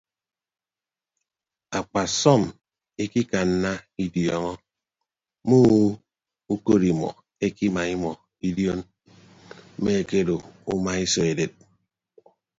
Akpasọm ikikanna idiọọñọ mme ukod imọ ekima imọ idion mme ekedo uma iso edet.